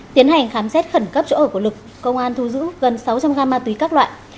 tiến hành khám xét khẩn cấp chỗ ở của lực công an thu giữ gần sáu trăm linh gam ma túy các loại